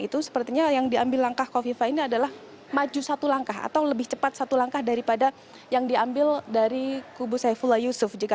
terima kasih banyak ibu